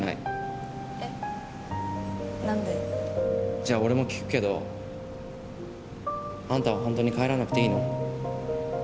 じゃあ俺も聞くけどあんたは本当に帰らなくていいの？